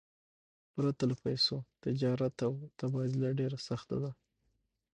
پرته له پیسو، تجارت او تبادله ډېره سخته ده.